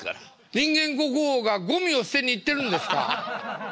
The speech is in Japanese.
人間国宝がゴミを捨てに行ってるんですか。